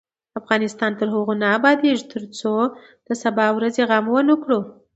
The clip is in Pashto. افغانستان تر هغو نه ابادیږي، ترڅو د سبا ورځې غم ونکړو.